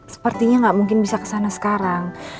sepertinya nggak mungkin bisa kesana sekarang